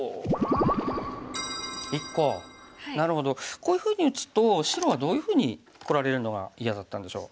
こういうふうに打つと白はどういうふうにこられるのが嫌だったんでしょう？